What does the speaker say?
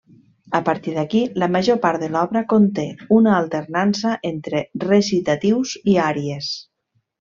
A partir d'aquí, la major part de l'obra conté una alternança entre recitatius i àries.